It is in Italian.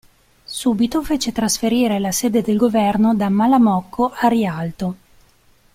Subito fece trasferire la sede del governo da Malamocco a Rialto.